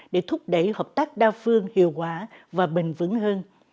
để thúc đẩy hợp tác đa phương hiệu quả và bền vững hơn